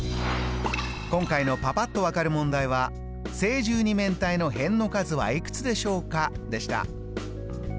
今回のパパっと分かる問題は「正十二面体の辺の数はいくつでしょうか？」でした。